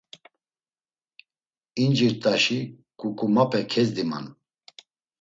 İncirt̆aşi, ǩuǩumape kezdiman